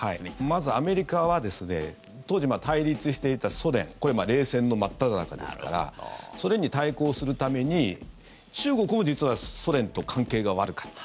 まず、アメリカは当時対立していたソ連これ、冷戦の真っただ中ですからソ連に対抗するために中国も実は、ソ連と関係が悪かった。